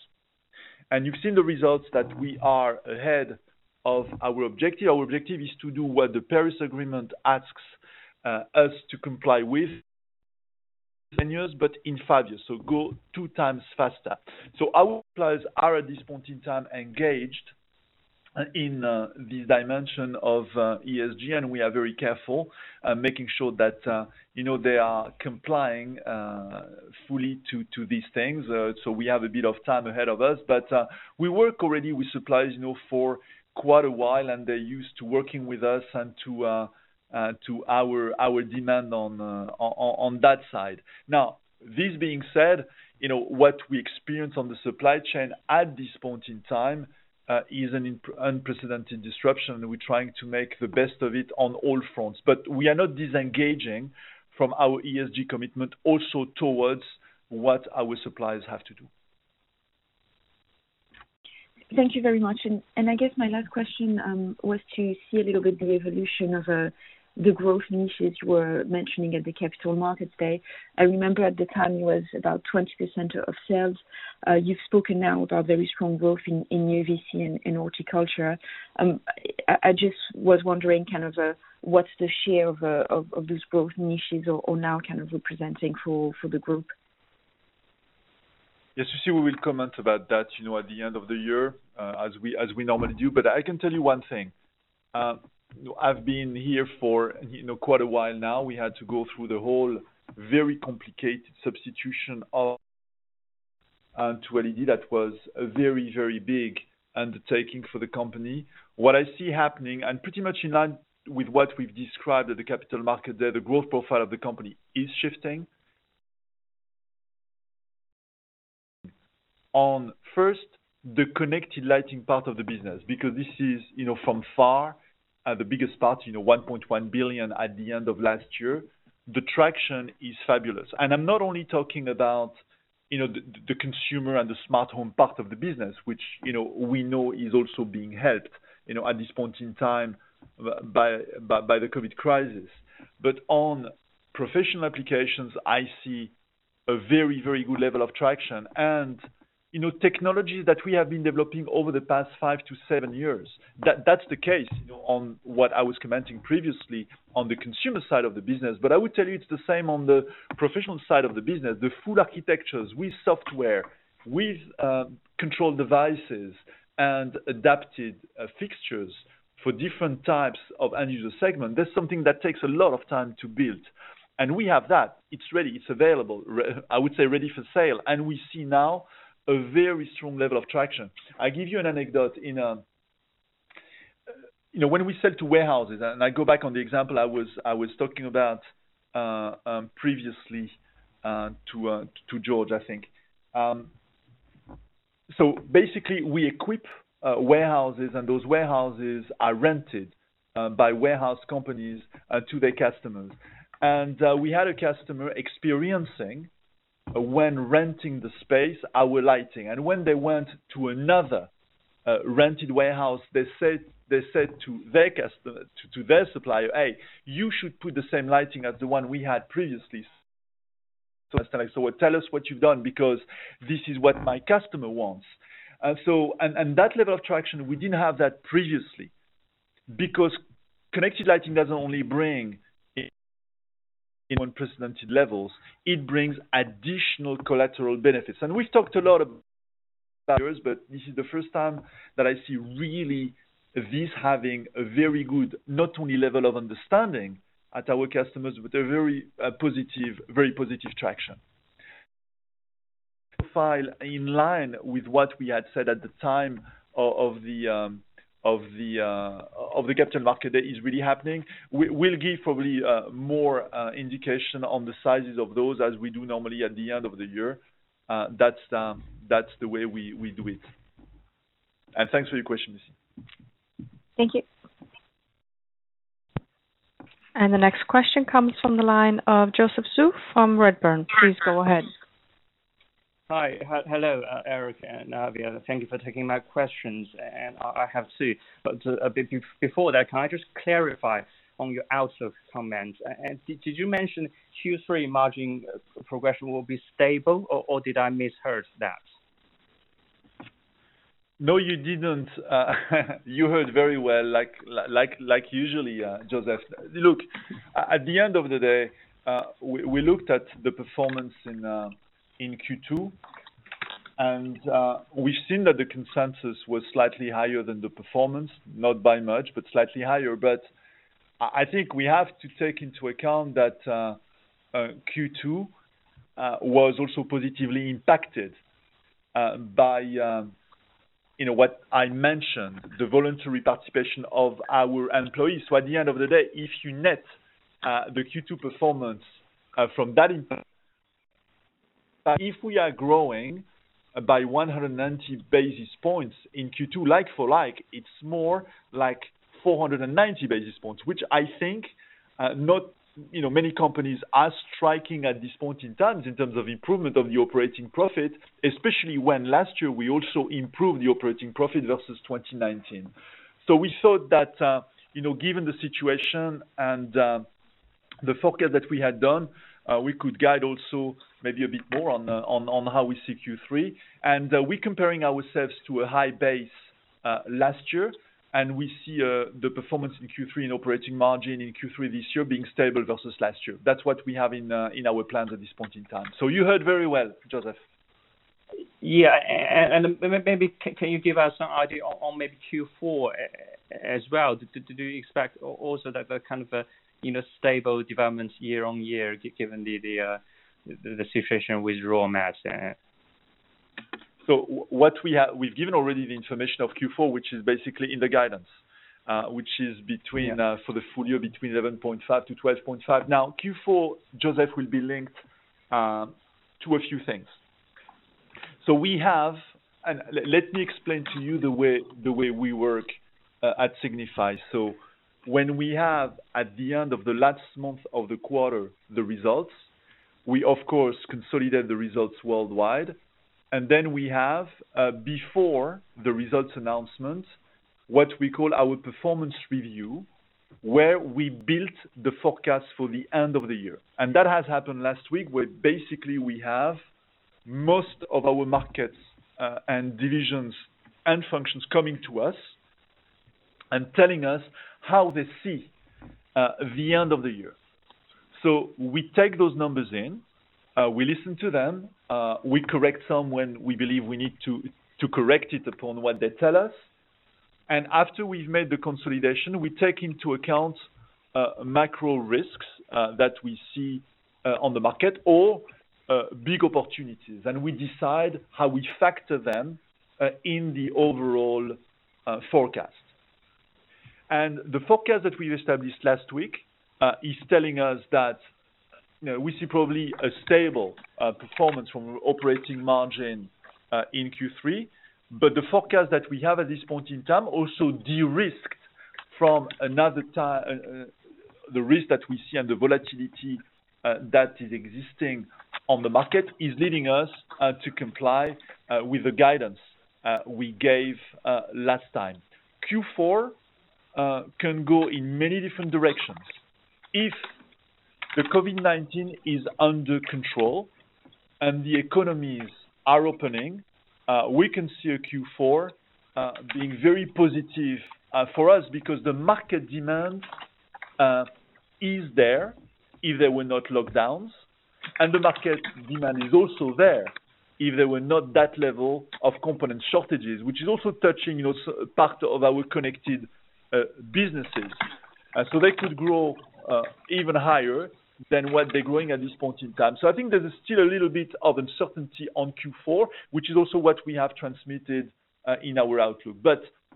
You've seen the results that we are ahead of our objective. Our objective is to do what the Paris Agreement asks us to comply with in years, but in five years, so go 2x faster. Our suppliers are, at this point in time, engaged in this dimension of ESG, and we are very careful making sure that they are complying fully to these things. We have a bit of time ahead of us. We work already with suppliers for quite a while now, and they're used to working with us and to our demand on that side. This being said, what we experience on the supply chain at this point in time is an unprecedented disruption. We're trying to make the best of it on all fronts. We are not disengaging from our ESG commitment also towards what our suppliers have to do. Thank you very much. I guess my last question was to see a little bit the evolution of the growth niches you were mentioning at the Capital Markets Day. I remember at the time it was about 20% of sales. You've spoken now about very strong growth in UV-C and in horticulture. I just was wondering, what's the share of those growth niches are now representing for the group? Yes, Lucie, we will comment about that at the end of the year as we normally do. I can tell you one thing. I've been here for quite a while now. We had to go through the whole very complicated substitution of [audio distortion] to LED. That was a very big undertaking for the company. What I see happening, pretty much in line with what we've described at the Capital Market Day, the growth profile of the company is shifting. On first, the connected lighting part of the business, because this is from far the biggest part, 1.1 billion at the end of last year. The traction is fabulous. I'm not only talking about the consumer and the smart home part of the business, which we know is also being helped, at this point in time by the COVID crisis. On professional applications, I see a very, very good level of traction and technologies that we have been developing over the past five to seven years. That's the case on what I was commenting previously on the consumer side of the business. I would tell you it's the same on the professional side of the business. The full architectures with software, with control devices, and adapted fixtures for different types of end user segment, that's something that takes a lot of time to build. We have that. It's ready, it's available. I would say ready for sale. We see now a very strong level of traction. I give you an anecdote in When we sell to warehouses, and I go back on the example I was talking about previously to George, I think. Basically, we equip warehouses, and those warehouses are rented by warehouse companies to their customers. We had a customer experiencing, when renting the space, our lighting. When they went to another rented warehouse, they said to their supplier, "Hey, you should put the same lighting as the 1 we had previously." Tell us what you've done because this is what my customer wants. That level of traction, we didn't have that previously, because connected lighting doesn't only bring unprecedented levels, it brings additional collateral benefits. We've talked a lot about this, but this is the first time that I see really this having a very good, not only level of understanding at our customers, but a very positive traction. Profile in line with what we had said at the time of the Capital Markets Day is really happening. We'll give probably more indication on the sizes of those as we do normally at the end of the year. That's the way we do it. Thanks for your questions. Thank you. The next question comes from the line of Joseph Zhou from Redburn. Please go ahead. Hi. Hello, Eric and Javier. Thank you for taking my questions, and I have two. Before that, can I just clarify on your outlook comment. Did you mention Q3 margin progression will be stable, or did I misheard that? No, you didn't. You heard very well, like usually, Joseph. At the end of the day, we looked at the performance in Q2, we've seen that the consensus was slightly higher than the performance. Not by much, slightly higher. I think we have to take into account that Q2 was also positively impacted by what I mentioned, the voluntary participation of our employees. At the end of the day, if you net the Q2 performance from that impact, if we are growing by 190 basis points in Q2 like-for-like, it's more like 490 basis points, which I think not many companies are striking at this point in time in terms of improvement of the operating profit, especially when last year we also improved the operating profit versus 2019. We thought that, given the situation and the forecast that we had done, we could guide also maybe a bit more on how we see Q3. We're comparing ourselves to a high base, last year, and we see the performance in Q3 and operating margin in Q3 this year being stable versus last year. That's what we have in our plans at this point in time. You heard very well, Joseph. Yeah. Maybe can you give us an idea on maybe Q4 as well? Do you expect also that kind of a stable developments year-on-year, given the situation with raw mats there? We've given already the information of Q4, which is basically in the guidance, which is between-. Yeah... for the full year, between 11.5%-12.5%. Q4, Joseph, will be linked to a few things. Let me explain to you the way we work at Signify. When we have, at the end of the last month of the quarter, the results, we of course, consolidate the results worldwide. We have, before the results announcement, what we call our performance review, where we built the forecast for the end of the year. That has happened last week, where basically we have most of our markets, and divisions, and functions coming to us and telling us how they see the end of the year. We take those numbers in, we listen to them, we correct some when we believe we need to correct it upon what they tell us. After we've made the consolidation, we take into account macro risks that we see on the market or big opportunities, and we decide how we factor them in the overall forecast. The forecast that we established last week is telling us that we see probably a stable performance from operating margin in Q3. The forecast that we have at this point in time also de-risked from another time, the risk that we see and the volatility that is existing on the market is leading us to comply with the guidance we gave last time. Q4 can go in many different directions. If the COVID-19 is under control and the economies are opening, we can see a Q4 being very positive for us because the market demand is there if there were no lockdowns, and the market demand is also there if there were not that level of component shortages, which is also touching part of our connected businesses. They could grow even higher than what they're growing at this point in time. I think there's still a little bit of uncertainty on Q4, which is also what we have transmitted in our outlook.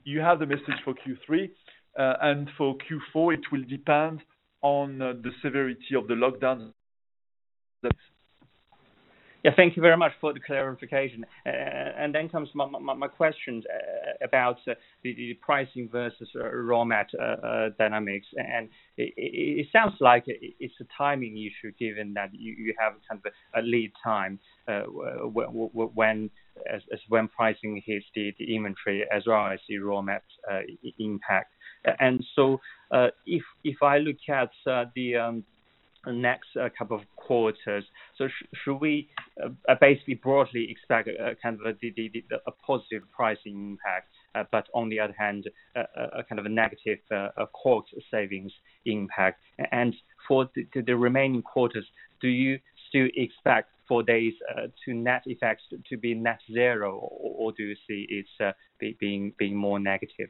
You have the message for Q3, and for Q4, it will depend on the severity of the lockdown. [audio distortion] Yeah. Thank you very much for the clarification. comes my questions about the pricing versus raw mat dynamics. It sounds like it's a timing issue given that you have kind of a lead time, as when pricing hits the inventory as well as the raw mats impact. If I look at the next two quarters, should we basically broadly expect kind of a positive pricing impact, but on the other hand, a kind of a negative cost savings impact? For the remaining quarters, do you still expect for these to net effects to be net zero or do you see it being more negative?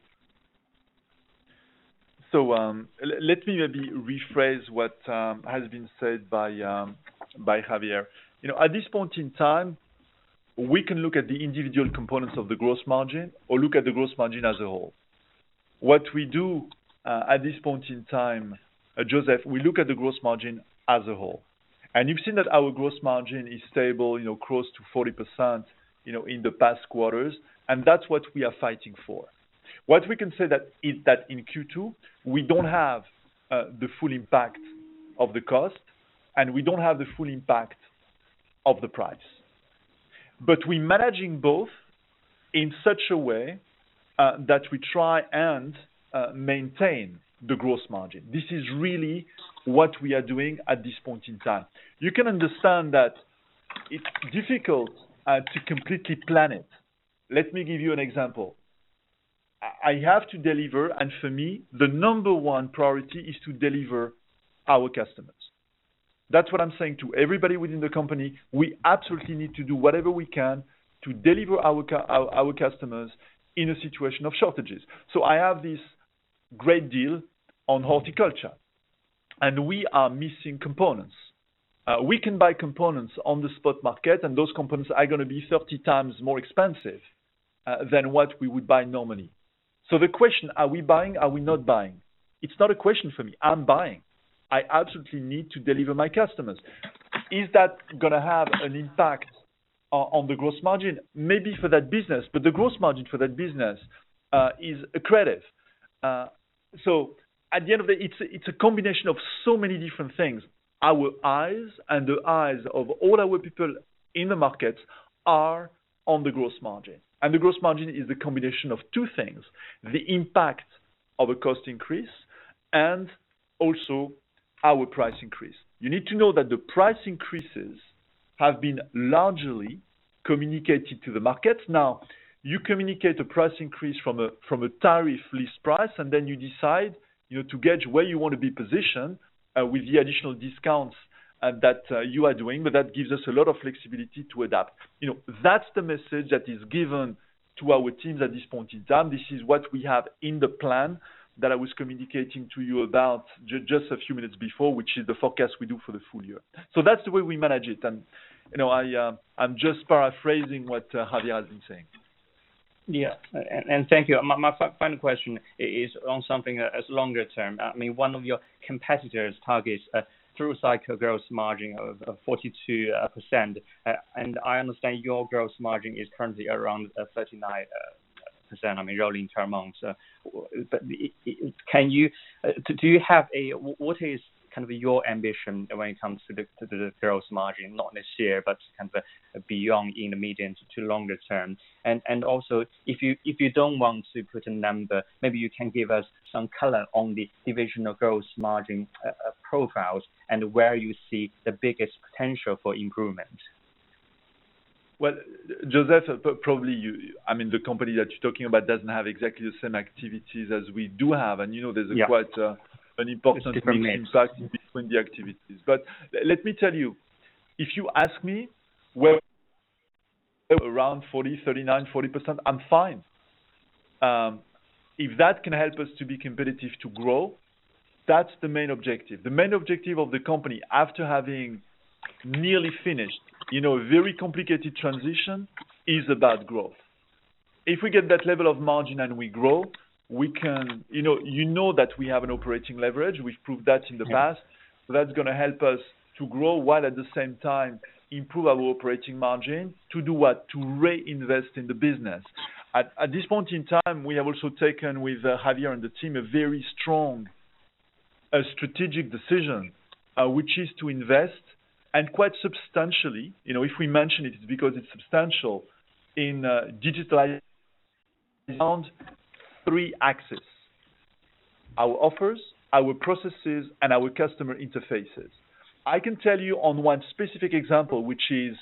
Let me maybe rephrase what has been said by Javier. At this point in time, we can look at the individual components of the gross margin or look at the gross margin as a whole. What we do at this point in time, Joseph, we look at the gross margin as a whole. You've seen that our gross margin is stable, close to 40%, in the past quarters, and that's what we are fighting for. What we can say that in Q2, we don't have the full impact of the cost, and we don't have the full impact of the price. We're managing both in such a way that we try and maintain the gross margin. This is really what we are doing at this point in time. You can understand that it's difficult to completely plan it. Let me give you an example. I have to deliver. For me, the number one priority is to deliver our customers. That's what I'm saying to everybody within the company. We absolutely need to do whatever we can to deliver our customers in a situation of shortages. I have this great deal on horticulture. We are missing components. We can buy components on the spot market. Those components are going to be 30x more expensive than what we would buy normally. The question, are we buying, are we not buying? It's not a question for me. I'm buying. I absolutely need to deliver my customers. Is that going to have an impact on the gross margin? Maybe for that business. The gross margin for that business is accretive. At the end of the day, it's a combination of so many different things. Our eyes and the eyes of all our people in the markets are on the gross margin. The gross margin is the combination of two things, the impact of a cost increase and also our price increase. You need to know that the price increases have been largely communicated to the market. You communicate a price increase from a tariff list price, and then you decide to gauge where you want to be positioned with the additional discounts that you are doing, but that gives us a lot of flexibility to adapt. That's the message that is given to our teams at this point in time. This is what we have in the plan that I was communicating to you about just a few minutes before, which is the forecast we do for the full year. That's the way we manage it. I'm just paraphrasing what Javier has been saying. Yeah. Thank you. My final question is on something as longer term. One of your competitors targets a through-cycle gross margin of 42%, and I understand your gross margin is currently around 39%, rolling 12 months. What is your ambition when it comes to the gross margin, not this year, but beyond in the medium to longer term? Also, if you don't want to put a number, maybe you can give us some color on the divisional gross margin profiles and where you see the biggest potential for improvement. Well, Joseph, probably the company that you're talking about doesn't have exactly the same activities as we do have. Yeah quite an important- It's different mix. impact between the activities. Let me tell you, if you ask me where around 40%, 39%, 40%, I'm fine. If that can help us to be competitive to grow, that's the main objective. The main objective of the company, after having nearly finished a very complicated transition, is about growth. If we get that level of margin and we grow, you know that we have an operating leverage. We've proved that in the past. Yeah. That's going to help us to grow while at the same time improve our operating margin. To do what? To reinvest in the business. At this point in time, we have also taken, with Javier and the team, a very strong strategic decision, which is to invest, and quite substantially, if we mention it's because it's substantial, in digital around three axes. Our offers, our processes, and our customer interfaces. I can tell you on one specific example, which is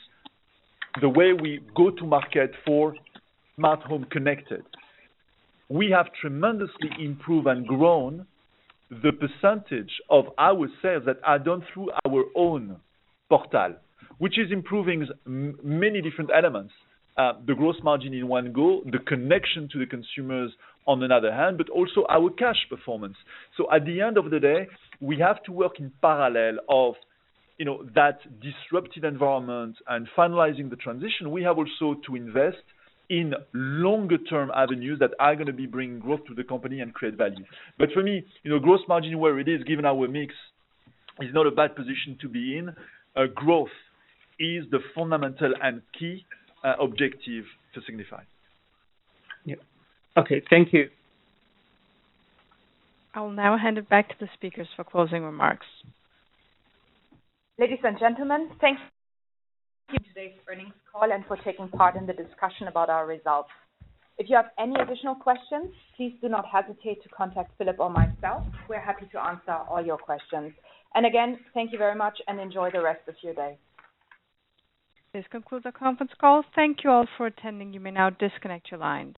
the way we go to market for smart home connected. We have tremendously improved and grown the percentage of our sales that are done through our own portal, which is improving many different elements. The gross margin in one go, the connection to the consumers on another hand, but also our cash performance. At the end of the day, we have to work in parallel of that disrupted environment and finalizing the transition. We have also to invest in longer term avenues that are going to be bringing growth to the company and create value. For me, gross margin where it is, given our mix, is not a bad position to be in. Growth is the fundamental and key objective to Signify. Yeah. Okay. Thank you. I'll now hand it back to the speakers for closing remarks. Ladies and gentlemen, thank you for joining today's earnings call and for taking part in the discussion about our results. If you have any additional questions, please do not hesitate to contact Philippe or myself. We're happy to answer all your questions. Again, thank you very much, and enjoy the rest of your day. This concludes our conference call. Thank you all for attending. You may now disconnect your lines.